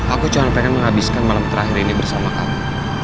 aku cuma pengen menghabiskan malam terakhir ini bersama kami